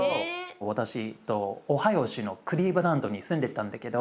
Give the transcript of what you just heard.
私オハイオ州のクリーブランドに住んでたんだけど。